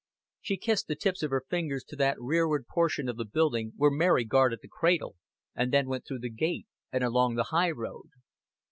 She kissed the tips of her fingers to that rearward portion of the building where Mary guarded the cradle, and then went through the gate and along the highroad.